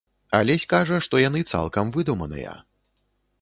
Алесь кажа, што яны цалкам выдуманыя.